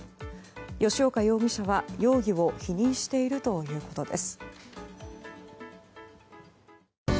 吉岡容疑者は、容疑を否認しているということです。